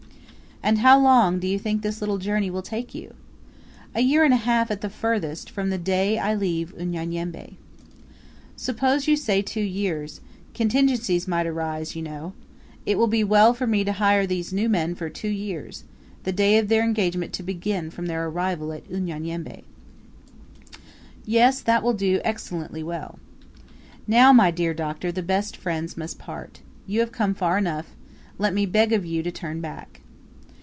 "And how long do you think this little journey will take you?" "A year and a half, at the furthest, from the day I leave Unyanyembe." "Suppose you say two years; contingencies might arise, you know. It will be well for me to hire these new men for two years; the day of their engagement to begin from their arrival at Unyanyembe." "Yes, that will do excellently well." "Now, my dear Doctor, the best friends must part. You have come far enough; let me beg of you to turn back."